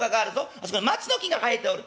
あそこに松の木が生えておる。